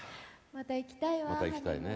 また行きたいね。